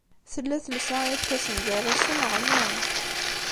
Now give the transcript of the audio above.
Tella telsa irkasen d arasen ɣman.